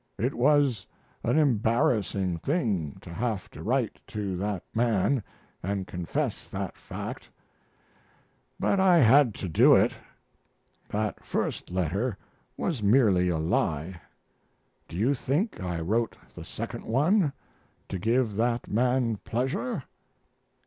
It was an embarrassing thing to have to write to that man and confess that fact, but I had to do it. That first letter was merely a lie. Do you think I wrote the second one to give that man pleasure?